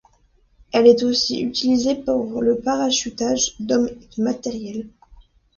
Elle est aussi utilisée pour le parachutage d'hommes et de matériel.